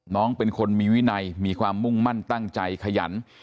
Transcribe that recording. น้องเป็นคนมีวินัยมีความมุ่งมั่นตั้งใจขยัน